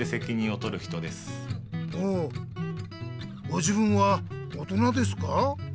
ご自分は大人ですか？